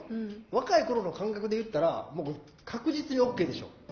若い頃の感覚で言ったらもう確実にＯＫでしょ。